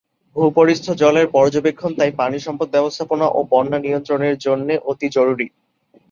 ভূপরিস্থ জলের পর্যবেক্ষণ তাই পানি সম্পদ ব্যবস্থাপনা ও বন্যা নিয়ন্ত্রণের জন্যে অতি জরুরী।